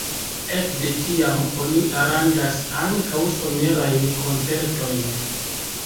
Ekde tiam oni aranĝas ankaŭ somerajn koncertojn.